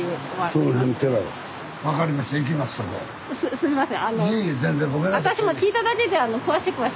すみません。